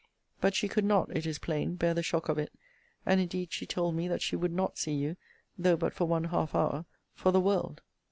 But she could not, it is plain, bear the shock of it: and indeed she told me that she would not see you, though but for one half hour, for the world.